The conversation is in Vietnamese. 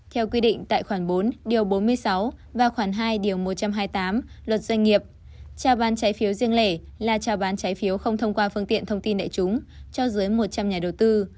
theo quy định tại khoản bốn điều bốn mươi sáu và khoảng hai điều một trăm hai mươi tám luật doanh nghiệp trào bán trái phiếu riêng lẻ là trào bán trái phiếu không thông qua phương tiện thông tin đại chúng cho dưới một trăm linh nhà đầu tư